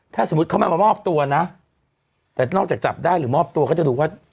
ถ้าสมมุติเขาไม่มามอบตัวนะแต่นอกจากจับได้หรือมอบตัวก็จะดูว่า